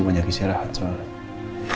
banyaknya saya rahat soalnya